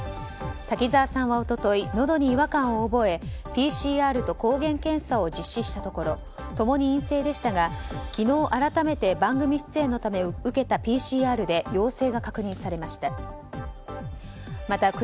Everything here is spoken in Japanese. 滝沢さんは、一昨日のどに違和感を覚えＰＣＲと抗原検査を実施したところ共に陰性でしたが昨日改めて番組出演のため受けたＰＣＲで陽性が確認されました。